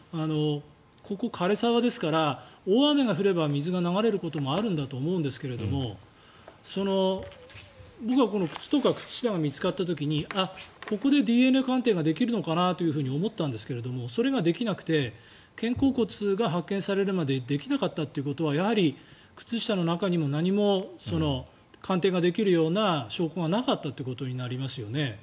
ここ枯れ沢ですから大雨が降れば水が流れることもあると思うんですが僕は靴とか靴下が見つかった時にこれでＤＮＡ鑑定ができるのかなと思ったんですけどそれができなくて肩甲骨が発見されるまでできなかったということはやはり靴下の中にも何も鑑定ができるような証拠がなかったということになりますよね。